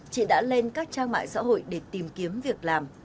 chị đã lên các trang mạng xã hội để tìm kiếm việc làm